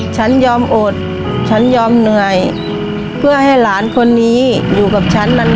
ฉันยอมอดฉันยอมเหนื่อยเพื่อให้หลานคนนี้อยู่กับฉันนาน